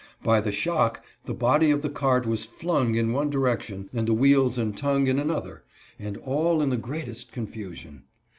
By the shock the body of the cart was flung in one direction and the wheels and tongue in another, and all in the greatest confusion.